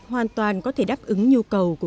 hoàn toàn có thể đáp ứng nhu cầu của